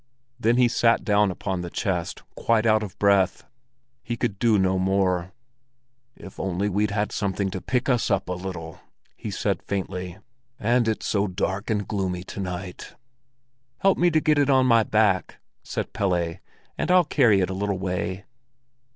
Then he sat down upon the chest, quite out of breath. He could do no more. "If only we'd had something to pick us up a little!" he said faintly. "And it's so dark and gloomy to night." "Help me to get it on my back," said Pelle, "and I'll carry it a little way."